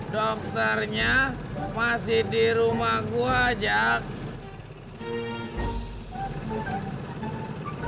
dokternya masih di rumah gua jack